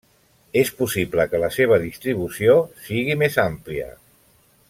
És possible que la seva distribució sigui més àmplia.